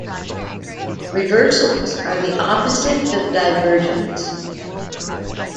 Reversals are the opposite of divergence.